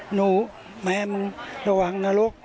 หนูแม่มึงระวังนะลูก